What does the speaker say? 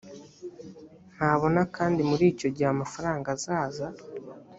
ntabona kandi muri icyo gihe amafaranga azaza